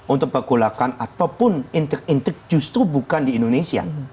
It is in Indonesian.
untuk pergolakan ataupun intik intik justru bukan di indonesia